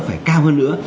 phải cao hơn nữa